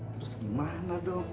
terus gimana dong